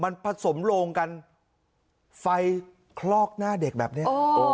มันผสมโลงกันไฟคลอกหน้าเด็กแบบนี้